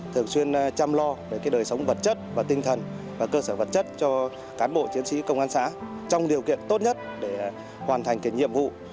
thường xuyên chăm lo về đời sống vật chất và tinh thần và cơ sở vật chất cho cán bộ chiến sĩ công an xã trong điều kiện tốt nhất để hoàn thành nhiệm vụ